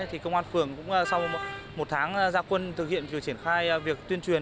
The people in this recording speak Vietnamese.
thì công an phường cũng sau một tháng gia quân thực hiện việc triển khai việc tuyên truyền